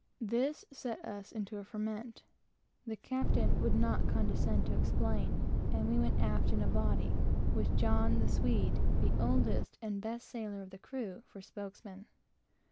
This set us into a ferment. The captain would not condescend to explain, and we went aft in a body, with a Swede, the oldest and best sailor of the crew, for spokesman.